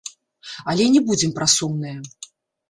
Але не будзем пра сумнае.